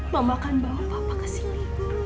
mama akan bawa papa kesini